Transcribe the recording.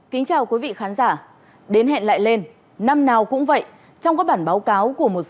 kính chào quý vị khán giả đến hẹn lại lên năm nào cũng vậy trong các bản báo cáo của một số